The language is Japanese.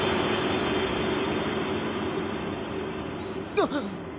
あっ！